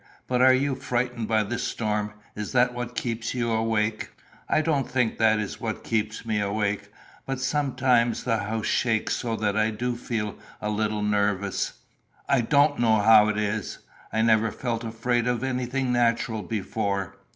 But are you frightened by the storm? Is that what keeps you awake?" "I don't think that is what keeps me awake; but sometimes the house shakes so that I do feel a little nervous. I don't know how it is. I never felt afraid of anything natural before."